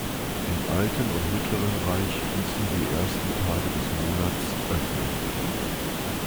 Im Alten- und Mittleren Reich hießen die ersten Tage des Monats „Öffner“.